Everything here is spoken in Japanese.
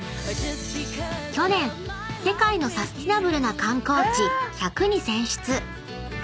［去年世界のサスティナブルな観光地１００に選出］